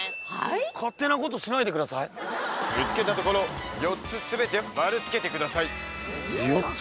ぶつけたところ４つすべて丸つけてください。